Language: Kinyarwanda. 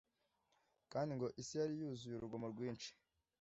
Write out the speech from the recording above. kandi ngo ‘isi yari yuzuye urugomo rwinshi